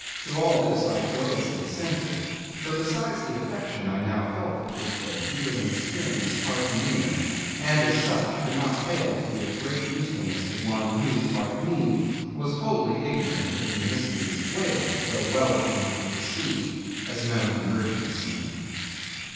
To all this I joyously assented; for besides the affection I now felt for Queequeg, he was an experienced harpooneer, and as such, could not fail to be of great usefulness to one, who, like me, was wholly ignorant of the mysteries of whaling, though well acquainted with the sea, as known to merchant seamen.